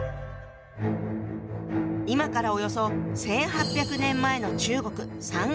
今からおよそ１，８００年前の中国三国時代。